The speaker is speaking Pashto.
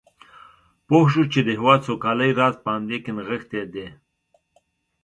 پوه شو چې د هېواد سوکالۍ راز په همدې کې نغښتی دی.